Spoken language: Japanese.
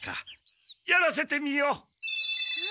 やらせてみよう。